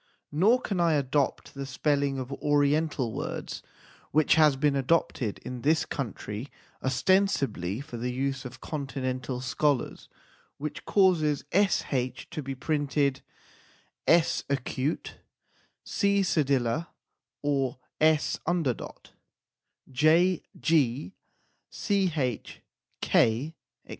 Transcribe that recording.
Nor can I adopt the spelling of Oriental words which has been adopted in this country ostensibly for the use of continental scholars, which causes sh to be printed ^, f, or s\ j, g; ch, k, &c.